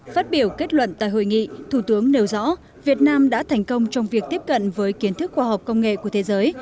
phát biểu kết luận tại hội nghị thủ tướng nêu rõ việt nam đã thành công trong việc tiếp cận với kiến thức khoa học công nghệ của thế giới